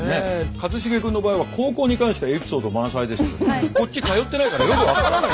一茂君の場合は高校に関してはエピソード満載でしたけどこっち通ってないからよく分からない。